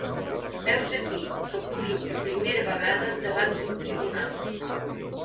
Heus aquí que pujo per primera vegada davant d'un tribunal.